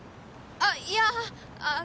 あっいやあっ